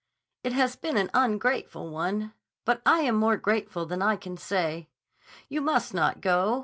It has been an ungrateful one. But I am more grateful than I can say. You must not go.